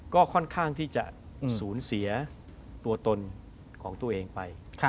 ก็ค่อนข้างที่จะสูญเสียตัวตนของตัวเองไป